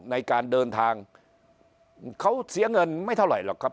ในการเดินทางเขาเสียเงินไม่เท่าไหร่หรอกครับ